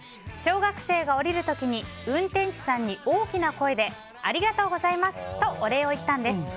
小学生が降りる時に運転手さんに大きな声でありがとうございますとお礼を言ったんです。